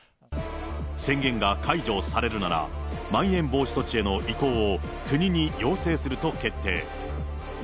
宣言が解除されるなら、まん延防止措置への移行を国に要請すると決定。